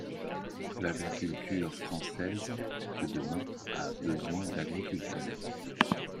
L’agriculture française de demain a besoin d’agriculteurs.